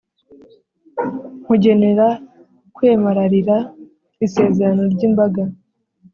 nkugenera kwemararira isezerano ry’imbaga,